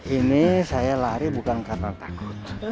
ini saya lari bukan karena takut